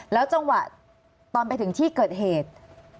จังหวะตอนไปถึงที่เกิดเหตุ